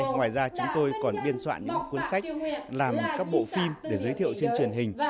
ngoài ra chúng tôi còn biên soạn những cuốn sách làm các bộ phim để giới thiệu trên truyền hình